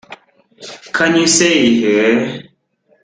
Can you say it here?